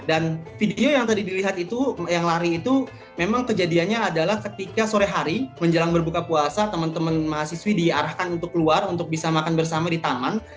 dan video yang tadi dilihat itu yang lari itu memang kejadiannya adalah ketika sore hari menjelang berbuka puasa teman teman mahasiswi diarahkan untuk keluar untuk bisa makan bersama di taman